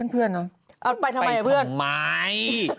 เพื่อนนะไปทำไม